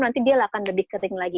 nanti dia akan lebih kering lagi